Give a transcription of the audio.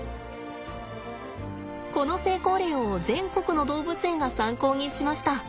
この成功例を全国の動物園が参考にしました。